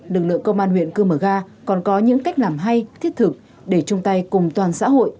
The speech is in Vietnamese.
lực lượng công an huyện cư mờ ga còn có những cách làm hay thiết thực để chung tay cùng toàn xã hội